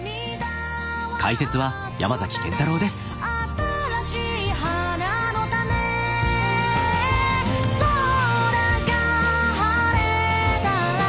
「新しい花の種」「空が晴れたら」